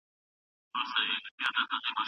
کوچیان تر ښاریانو ډېر زړور وي.